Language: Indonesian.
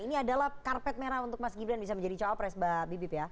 ini adalah karpet merah untuk mas gibran bisa menjadi cowok pres mbak bibit ya